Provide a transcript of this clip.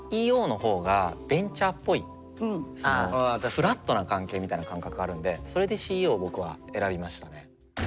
フラットな関係みたいな感覚があるんでそれでＣＥＯを僕は選びましたね。